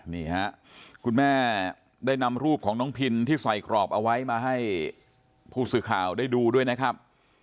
นี่ฮะคุณแม่ได้นำรูปของน้องพินที่ใส่กรอบเอาไว้มาให้ผู้สื่อข่าวได้ดูด้วยนะครับ